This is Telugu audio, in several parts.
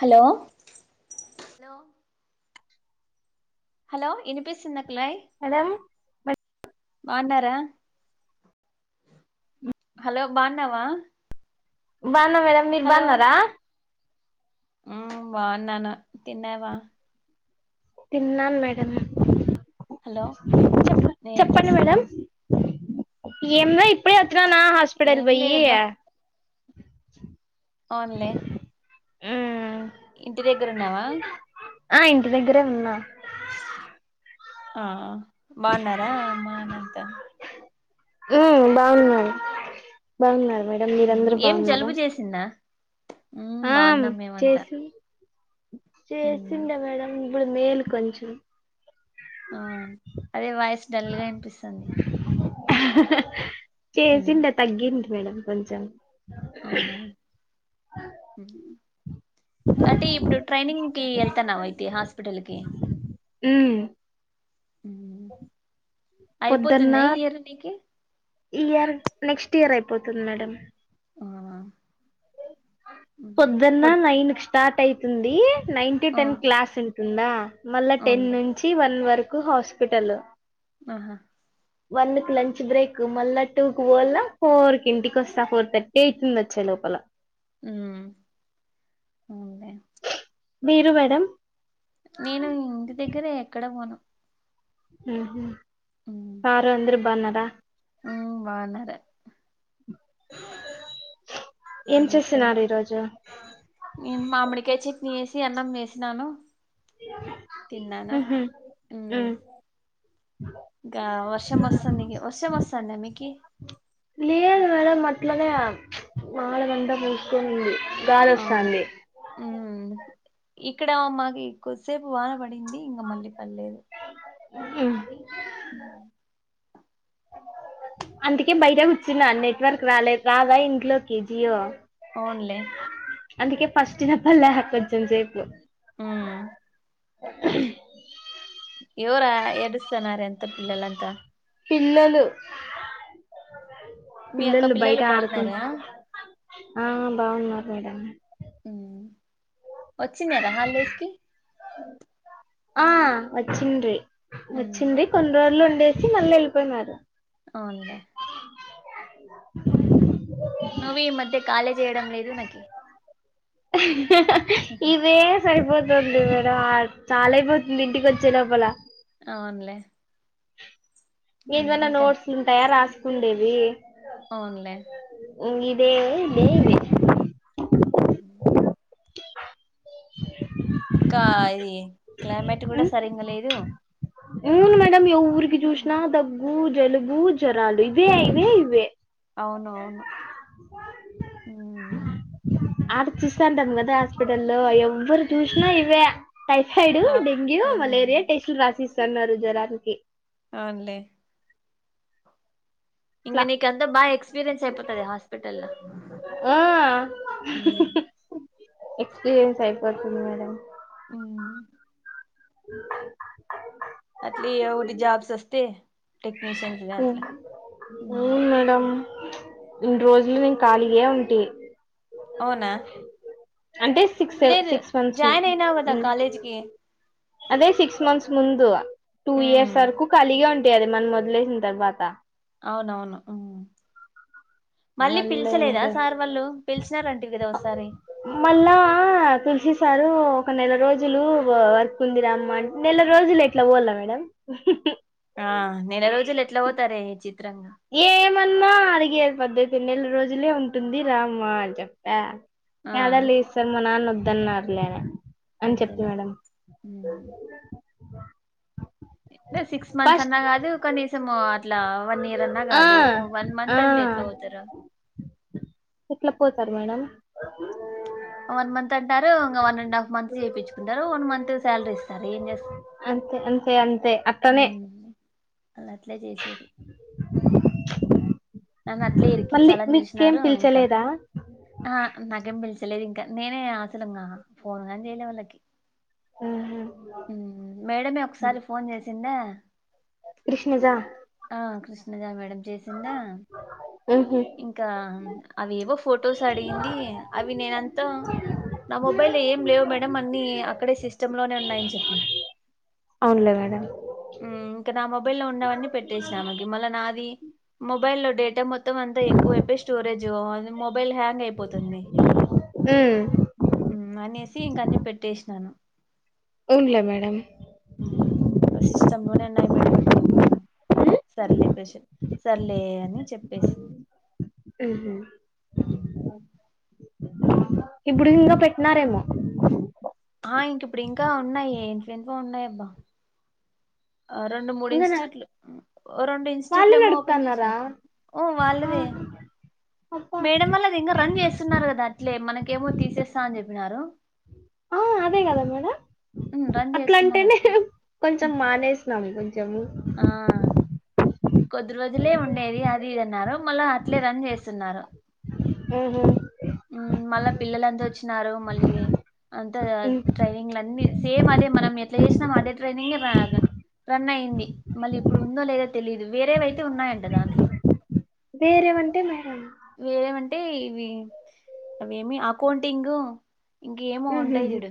హలో హలో ఇనిపిస్తుందా హలో బాన్నారా హలో బాన్నావా బాన్నా మేడం మీరు బాన్నర మ్మ్ బాన్నాను తిన్నావా తిన్నాను మేడం చెప్ప హలో ఏం చెప్పండి మేడం చేస్తున్నావ్ ఎమ్మా ఇప్పుడే వచ్చినాన హాస్పిటల్ ఏం పొయ్యి లేదబ్బా అవునులే ఇంటి దెగ్గర ఉన్నావా ఆ ఇంటి దగ్గరే ఉన్నా ఆ బాన్నారా అమ్మనాన్న అంతా మ్మ్ బాగున్నారు బాగున్నారు మేడం మ్మ్ మీరందరూ ఏం బాగున్నారా జలుబు చేసిందా మ్మ్ ఆ బాగున్నాం మేమంతా చేసి మ్మ్ చేసిండా మేడం ఇబ్బుడు మేలు కొంచెం ఆ అదే వాయిస్ డల్ గా వినిపిస్తాంది చేసిండ తగ్గింది మేడం కొంచెం అవునా మ్మ్ అంటే ఇప్పుడు ట్రైనింగ్ కి వెళ్తాన్నావా అయితే హాస్పిటల్కి ఉమ్ పొద్దున్న అయిపోతుందా ఈ ఇయర్ నీకి పోతుంది మేడం ఆ ఉమ్, పొద్దున్న పొద్ నైన్ కి స్టార్ట్ అయితుంది నైన్ టు ఆ టెన్ క్లాస్ ఉంటుందా మళ్ళా టెన్ అవునులే నుంచి వన్ వరకు హాస్పిటల్ ఆహా వన్ కి లంచ్ బ్రేక్ మళ్ళా టూ కి పోళ్లా ఫోర్ కి ఇంటికి వస్తా ఫోర్ థర్టీ అయితుంది వచ్చేలో చెప్పల్లా మ్మ్ అవున్లే మీరు మేడం నేను ఇంటి దగ్గరే ఎక్కడ పోను మ్మ్ హు సారు ఆంధ్రూ బాన్నారా మ్మ్ బాన్నారు ఏం నేనెక్కడ చేస్తున్నారు ఈరోజు నేను మామిడికాయి చట్నీ చేస్ సి అన్నం చేసినాను తిన్నాను ఉహు ఉ మ్మ్ ఇ వర్షం వస్తాన్నికి వర్షం వస్తాన్న మీకి లేదు మేడం మట్లనే నాలగంట పూస్ పోయింది గాలోస్తంది మ్మ్ ఇక్కడ మాకి కొద్దిసేపు వాన పడింది ఇంగా మళ్ళీ పల్లేదు మ్మ్ అందుకే బయటె కూర్చున్నా నెట్వర్క్ రాలేదు రాదా ఇంట్లోకి జియో అవున్లే అందుకే ఫస్ట్ వినపల్లే కొంచెం సేపు మ్మ్ [inaudible] ఎవరా ఏడుస్తన్నరు ఎంత పిల్లలంతా పిల్లలు మీ అక్క పిల్లలు బయట ఆడుకున్ బాగున్నారా ఆ బావున్నారు మేడం మ్ వచ్చిందార హల్డేస్కి ఆ వచ్చిండ్రి వచ్చింది కొన్ని రోలు వుండేసి మళ్ళీ వెళ్ళిపోయినారు అవునులే [inaudible] నువ్వు ఈ మధ్య ఖాళీ జేయడం లేదు నాకి ఇవే అయిపోతుంది మేడం చాలా అయిపోతుంది ఇంటికి వచ్చే లోపల అవున్లే ఏదన్నా నోట్స్లు ఉంటాయా రాస్కుండేవి అవున్లే వంగిదే ఎమ్దయింది. మ్ హు కా ఇది క్లైమేట్ కూడా సరింగా లేదు అవును మేడమ్ ఎవ్వురికి చూసిన దగ్గు జలుబు జ్వరాలు ఇవే ఇవే ఇవే అవునవును మ్ ఆడ చుస్తా ఉంటాం కదా హాస్పిటల్ల్లో ఎవ ఎవరు జూసినా ఇవే టైఫాయిడ్ ఆ డెంగ్యూ ఉమ్ మలేరియా టెస్టులు రాసిస్ సన్నారు జరానికి అవున్లే ఇంగ ఇట్లా నీకంతా బా ఎక్స్పీరియన్స్ అయిపోతది హాస్పిటల్లో ఆ ఎక్స్పీరియన్స్ అయిపోతది మేడం మ్మ్ అ అట్లే ఎవోటి జాబ్స్ వస్తే టెక్నిషియన్స్గ అట్ల అవును మేడం ఇన్ని రోజులు నేను ఖాళీగా ఉంటి అవునా అంటే సిక్స్ సెవ లేదు సిక్స్ మంత్స్ జాయిన్ అయినావు కదా మ్ కాలేజీకి అదే సిక్స్ మంత్స్ ముందు టూ ఇయర్స్ వరకు ఖాళీగ తె అది మనం వదిలేసిన తర్వాత అవునవును మ్ మళ్ళీ పిల్చలేదా సార్ వాళ్ళు పిలిచినారంటివి కదా ఒసారి మళ్ళా తుల్సి సార్ ఒక నెల రోజులు వర్క్ ఉందిరామ్మ నెల రోజులు ఎట్లా పోల మేడం ఆ నెల రోజులు ఎట్లా పోతారే చిత్రం ఏమన్నా అడిగే పద్దతి నెల రోజులే ఉంటుంది రామ్మ అని చెప్పా ఆ ఎదల్ ఎస్స మా న్నాన వద్దన్నార్లే అని అంతేలే మ్ అ సిక్స్ మంత్స్ అన్నా కాదు కనీసము ఇట్లా వన్ ఇయర్ అన్నా ఆ కాదు వన్ ఆ మంత్ అంటే ఎట్లా పోతారా సరే మేడం వన్ మంత్ త్ అంటారు ఇంగ వన్ అండ్ హాఫ్ మంత్ చేపించుకుంటారు వన్ మంత్ సాలరీ ఇస్తారు ఏం చేస్ అంతే అంతే అంతే అట్లనే ఉం వాళ్ళు అట్లే చేసేది నన్ను అట్లే మళ్ళీ ఇరికిచ్చాలని మీకేం చూసినారు ఇంకా పిలిచలేదా ఆ నాకేం పిలిచ తెలియదు ఇంకా నేనే ఆసలంగా ఫోన్గాని చేయలే వాళ్ళకి ఆహా. ఉం మేడమే ఒకసారి ఫోన్ చేసిందా కృష్ణజా కృష్ణజా మేడం చేసిందా మ్హూ. ఇంకా అవెవో ఫొటోస్ అడిగింది అవి నేనంతా నా మొబైల్ ఏం లేవు మేడంమ్ అన్ని అక్కడే సిస్టమ్ లోనే ఉన్నాయని చెప్పిన అవునులే మేడం ఉం ఇంకా నా మోబి మొబై లో ఉన్నవన్ని పెట్టేసినా ఆమెకి మళ నాది మొబైల్ లో డేటా మొత్త మొత్తం అంతా ఎక్కువైపోయి స్టోరేజ్ మొబైల్ హ్యాంగ్ అయిపోతుంది మ్, ఉం అనేసి ఇంక అన్ని పెట్టేసినాను అవునులే మేడం ఉం అ సిస్టమ్ లోనే అన్ని న్నాయి మేడం అంటే ఇంగ సరిలే సరిలే అని చెప్పేసింది హు హమ్ ఉమ్. ఇప్పుడు ఇంకా పెట్టినారేమో ఆ ఇంక ఇప్పుడు ఇంకా ఉన్నాయి ఎంటి ఎంటి వో ఉన్నాయి అబ్బా ఆ రెండు మూడు ఇంగనా ఇన్స్టిట్యూట్లు రెండు ఇన్స్టిట్యూట్లు వాళ్ళే ఏమో ఓపెన్ నడుపుతన్నారా చేసినట్ ఓ ఆ వాళ్ళదే అబ్బా మేడం వాళ్ళు అది ఇంకా రన్ చేస్తున్నారు కదా అట్లే మనకి కేమో తీసేస్తా అని చెప్పినారు ఆ అదే కదా మేడం ఉమ్, రన్ అట్లా చేస్తున్నారు అంటేనే అట్లే కొంచెం మానేసినాము కొంచెం ఆ కొద్ది రోజులే ఉండేది అది ఇది అన్నారు మళ్ళ అట్లే రన్ చేస్తున్నారు హూ హమ్ ఉం మళ్ళా పిల్లలుంతా వచ్చినారు మళ్ళీ అంతా ఉమ్ ట్రైనింగ్ల అన్ని సేమ్ అదే మనం ఎట్లా చేసినాం అదే ట్రైనింగ్ రాగా రన్ అయ్యంది మళ్ళీ ఇప్పుడు ఉందో లేదో తెలియదు వేరేవైతే ఉన్నాయంట దాంట్లో వేరేవంటే మేడం వేరేవంటే ఇవి అవి ఏమి అకౌంటింగ్ ఇంకేమో ఉంటాయి ఉహుహు చూడు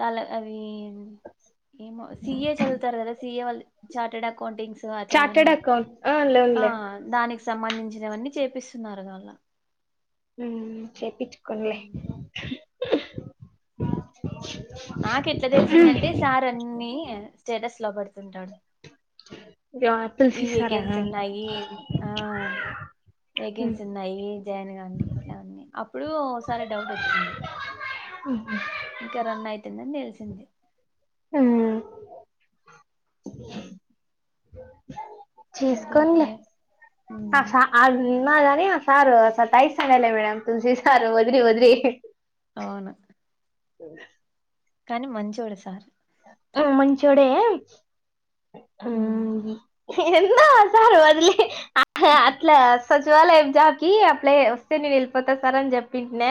తల అది ఏమో సీఏ చదువుతారు కదా సీఏ వాళ్ళు చార్టెడ్ అకౌంటింగ్స్ చార్టెడ్ అట్లావన్నీ అకౌంట్ ఆ ఆ లోన్లే దానికి సంబంధించినవన్నీ చేపిస్తున్నారు వాళ్ళ ఉం చెప్పిచీ కొన్నలే ఉమ్. నాక ఎట్లా తెలిసిందంటే సార్ అన్ని స్టేటస్ లో పేడుతుంటాడు స ఈ వేకెన్స్ ఉన్నాయి ఆ ఉమ్ వేకెన్సీ ఉన్నాయి జాయిన్ కండి ఇట్లా అన్నీ అప్పుడు ఓసారి డౌట్ వచ్చింది ఇంకా రన్ అయితుందని తెలిసింది ఉం ఇంకేం చీజకలే కుల్లాయి అ ఉమ్ [unintelligible] నాగానీ సార్ అస తా సయల [unintelligible] మేడ తుసి సార్ వధరి వదరి అవునా స కానీ మంచోడు సార్ ఆ మంచోడే [inaudible] ఉమ్ ఎందో ఆసారు వదిలేయి [inaudible] అట్లా సచివాలయం జాబ్ కిి అప్లయ్ వస్తే నేను ఎళ్ళిపోతా సార్ అని చెప్పింట్నా.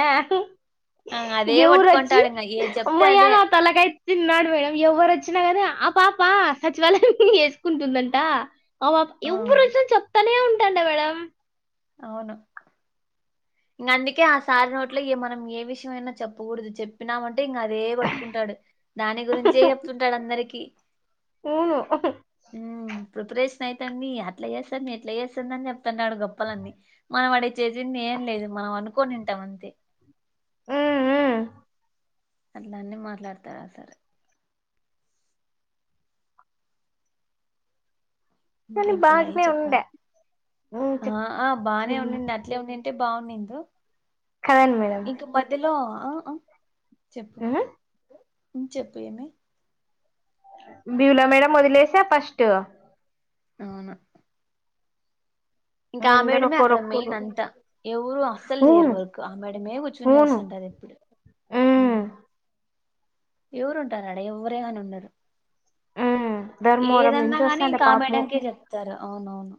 ఆ అదే ఎవురచ్చి పట్టుకుంటాడు ఇంగ ఏది చెప్తే అమ్మయా అదే నా తలకాయ్ తిన్నాడు మేడం. ఎవరు వచ్చినా కానీ ఆ పాప సచివాలయం ఎసుకుంటుందంటా. అవ్వప్ ఆ ఎవ్వరొచ్చినా చెప్తనే ఉంటాండ మేడం. అవును ఇంగా అందుకే ఆ సారి నోట్లో ఎ మనం ఏ విషయం అయినా చెప్పకూడదు. చెప్పినామం టే ఇగా అదే పట్టుకుంటాడు. దాని గురించే చెప్తుంటాడు అందరికీ. ఉమ్ హ్ ప్రిపరేషన్ అయితాంది. అట్లా చేస్తాంది, ఇట్లా చేస్తాంది అని చెప్తున్నాడు గొప్పలన్నీ. మనం ఆడ చేసింది ఏం లేదు. మనం అనుకునింటాం అంతే. ఉమ్, ఉమ్. అట్లాన్ని మాట్లాడతారు సార్. కానీ ఇంకేం కులాయి బాగానే ఉండే చెప్పాలి. ఉమ్, ఆ చెప్ ఆ బానే ఉమ్. ఉండుండి అట్లే ఉండింటే బావుండిందో కదండి మేడం ఇంక మధ్యలో ఆ ఆ చెప్పు చెప్పు ఏమి? బ్యూలో మేడం వదిలేసా ఫస్ట్. అవునా ఇంకా ఆ అందరు మేడమే అక్కడ మెయిన్ ఒకరొక్కరు అంతా, ఎవరు అస్సలు చేయరు అవును వర్క్. ఆ మేడమే కూర్చొని అవును. చేస్తుంటది. ఎప్పుడు హ్ హ్మ్. ఎవరు ఉంటారు ఆడ, ఎవ్వరే కాని ఉండరు. హ్మ్. ధర్మవరం ఏదన్నా గానీ నుంచొస్తాండే ఇంకా ఆ పాపము. మేడంకే చెప్తారు. అవునవును.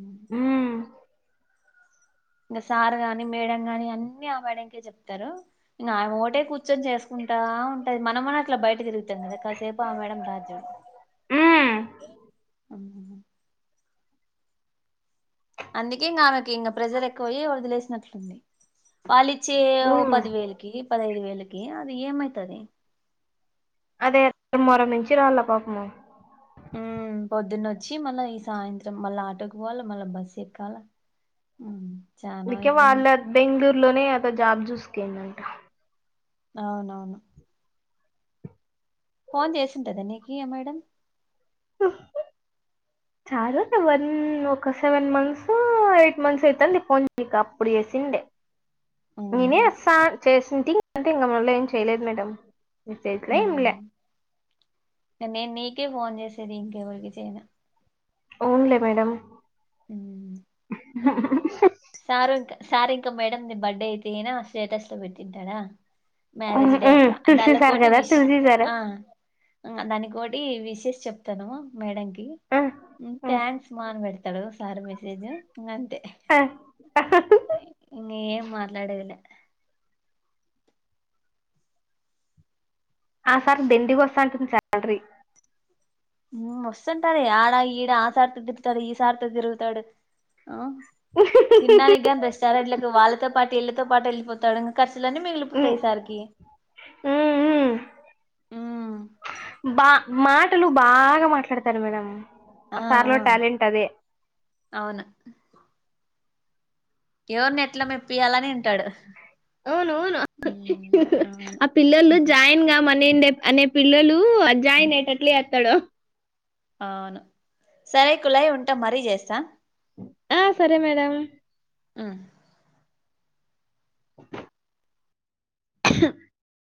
హ్ ఇంగా సారు గాని మేడం గాని అన్నీ ఆ మేడం కే చెప్తారు. ఇంగ ఆమె ఒకటే కూర్చొని చేసుకుం టా ఉంటది. మనం అన ఇట్ల బయట తిరుగుతం కదా కాసేపు ఆ మేడం రాదు చూడు. హ్మ్. అ [unintelligible] అందుకే ఇంగా ఆమెకు ఇంగా ప్రెజర్ ఎక్కువయ్యి వదిలేసినట్లుంది. వాళ్ళి చ్చే ఓ హ్మ్. పది వేలకి పదఐదు వేలకి అది ఏమైతది. అదే ధర్మారం నుంచి రావాళ్ళ పాపము. పొద్దున్న వచ్చి మళ్ళ ఈ సాయంత్రం మళ్ళా ఆటోకి పోవాల, మళ్ళా బస్ ఎక్కాల. చానా అందుకే ఇబ్బంది వాళ్ళ బెంగళూరు లోనే ఎదో జాబ్ చూసుకిందంట. అవునవును ఫోన్ చేసింటదా నీకీ ఆ మేడం. చాలు ఒక వన్ ఒక సెవెన్ మంత్స్ ఒ ఎయిట్ మంత్స్ అయితాంది ఫోన్ చెయ్యక. అప్పుడు చేసిండే. నేనే అవునులే ఒసారి చేసుంటి అంతే ఇంగ మళ్ళ ఇంగ ఏం చేయలేదు మేడం. [unintelligible] ఎంలే ఉమ్ కే ఫోన్ చేసేది ఇంకెవరికి చేయను. అవున్లే మేడమ్. ఉ సార్ ఇంకా సార్ ఇంకా మేడం ది బర్డే అయితే గినా స్టేటస్ లో పెట్టింటాడా మ్యారేజ్ హ్మ్. డే హ్మ్. అట్లా తులసి సార్ దాళ్ళకోటి గదా విష్ తులసి సారు. ఆ దానికో టి విషెస్ చెప్తాను మేడం ఆ! ఆ! థ్యాంక్స్ మా అన్ పెడతడు సార్ మెసేజు ఇంగ అంతే ఆ! ఇంగ ఏం మాట్లాడేదిలే ఆ సార్ దండి గొస్తాంటది సాల్రి వస్తుంటాది ఆడ ఈడ ఆ సారితో తిప్పుతాడు ఈ సారితో తిరుగుతాడు ఆ తిన్నానికి కానీ రెస్టారెట్కి వాళ్ళతో పాటు ఇళ్ళతో పాటు వెళ్ళిపోతాడు ఖర్చులన్నీ మిగిలిపోతాయి సారికి ఆ [inaudible] బా మాటలు బాగా మాట్లాడతారు మేడం అ ఆ సార్ లో టాలెంట్ అదే ఆ అవును ఎవరి నెట్ల మెప్పియాలనింటాడు అవును అవును అవును ఆ పిల్లలు జాయిన్ గా మ నేను నె అనే పిల్లలు అ జాయిన్ అయటట్ల జేత్తాడు అవును సరే కులాయి ఉంటా మరీ చేస్తా ఆ సరే మేడమ్ ఆ [inaudible] [inaudible]